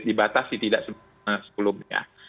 dibatasi tidak sebelumnya